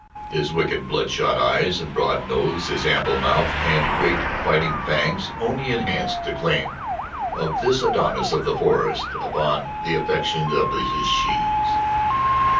His wicked, bloodshot eyes and broad nose, his ample mouth and great fighting fangs only enhanced the claim of this Adonis of the forest upon the affections of his shes.